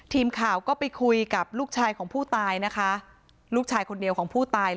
ทีมข่าวก็ไปคุยกับลูกชายของผู้ตายนะคะ